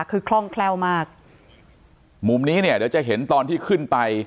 คือคล่องแคล่วมากมุมนี้เนี่ยเดี๋ยวจะเห็นตอนที่ขึ้นไป